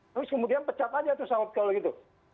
terus kemudian pecah aja tuh sawat kalau gitu